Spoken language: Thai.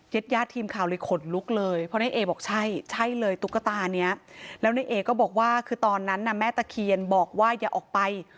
ญาติญาติทีมข่าวเลยขนลุกเลยเพราะในเอบอกใช่ใช่เลยตุ๊กตานี้แล้วในเอก็บอกว่าคือตอนนั้นน่ะแม่ตะเคียนบอกว่าอย่าออกไป